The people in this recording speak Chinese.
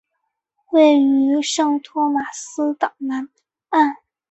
位于圣托马斯岛南岸。